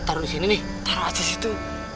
kalau sini taruh aja situ